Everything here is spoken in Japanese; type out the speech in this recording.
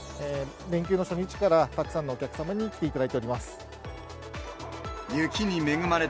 連休の初日からたくさんのお客様に来ていただいております。